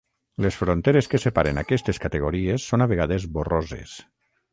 Les fronteres que separen aquestes categories són a vegades borroses.